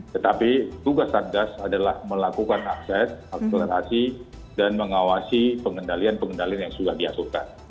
tetapi tugas satgas adalah melakukan akses akselerasi dan mengawasi pengendalian pengendalian yang sudah diasuhkan